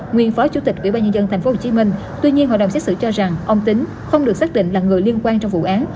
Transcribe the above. nguyên phó chủ tịch ủy ban nhân dân tp hcm tuy nhiên hội đồng xét xử cho rằng ông tính không được xác định là người liên quan trong vụ án